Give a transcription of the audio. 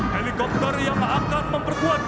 helikopter yang akan memperkuat